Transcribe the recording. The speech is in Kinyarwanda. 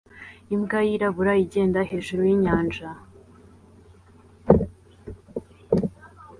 Imbwa yirabura igenda hejuru yinyanja